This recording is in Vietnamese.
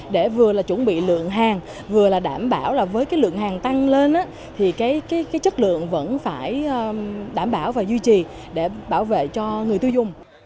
để vừa là chuẩn bị lượng hàng vừa là đảm bảo là với cái lượng hàng tăng lên thì cái chất lượng vẫn phải đảm bảo và duy trì để bảo vệ cho người tiêu dùng